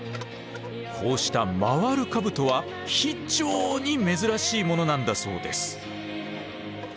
こうした回る兜は非常に珍しいものなんだそうです。